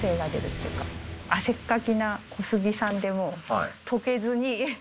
汗っかきな小杉さんでも溶けずに。